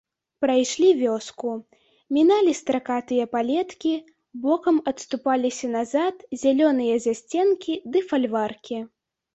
Прайшлі вёску, міналі стракатыя палеткі, бокам адступаліся назад зялёныя засценкі ды фальваркі.